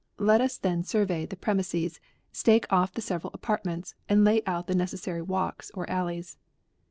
Let us then survey the premises, stake off the several apartments, and lay out the necessary walks or alleys.